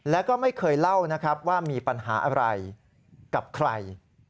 แล้วก็ไม่เคยเล่านะครับว่ามีปัญหาอะไรกับใคร